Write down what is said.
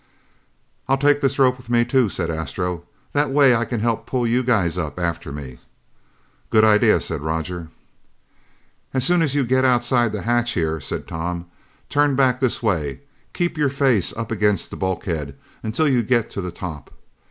"I'll take this rope with me too," said Astro. "That way I can help pull you guys up after me." "Good idea," said Roger. "As soon as you get outside the hatch here," said Tom, "turn back this way. Keep your face up against the bulkhead until you get to the top.